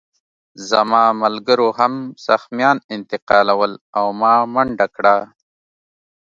زما ملګرو هم زخمیان انتقالول او ما منډه کړه